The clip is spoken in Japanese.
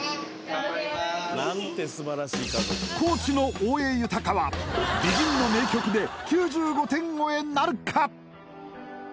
高知の大江裕はＢＥＧＩＮの名曲で９５点超えなるか？